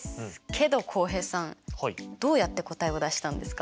けど浩平さんどうやって答えを出したんですか？